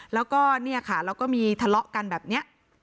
แล้วก็มีทะเลาะกันแบบนี้